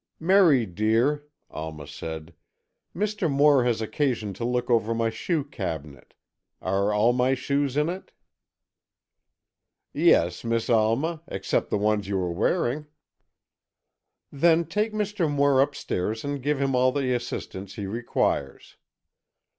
"Merry, dear," Alma said, "Mr. Moore has occasion to look over my shoe cabinet. Are all my shoes in it?" "Yes, Miss Alma, except the ones you are wearing." "Then take Mr. Moore upstairs and give him all the assistance he requires."